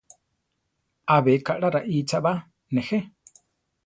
Abe kaʼla raícha ba, néje?